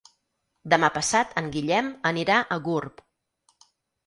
Demà passat en Guillem anirà a Gurb.